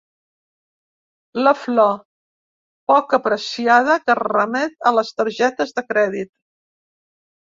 La flor, poc apreciada, que remet a les targetes de crèdit.